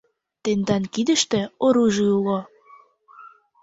Тендан кидыште оружий уло.